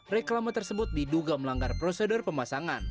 reklama tersebut diduga melanggar prosedur pemasangan